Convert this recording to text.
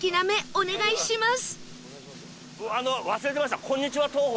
お願いします。